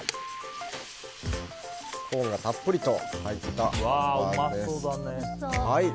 コーンがたっぷりと入ったハンバーグです。